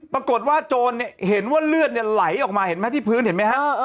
ปรากฏว่าโจรเห็นว่าเลือดเนี่ยไหลออกมาเห็นไหมที่พื้นเห็นไหมฮะ